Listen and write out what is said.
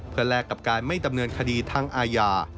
เพื่อแลกกับการไม่ดำเนินคดีทางอาญา